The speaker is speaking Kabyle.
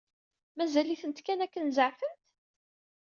Mazal-itent kan akken zeɛfent?